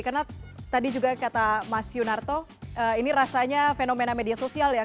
karena tadi juga kata mas yunarto ini rasanya fenomena media sosial ya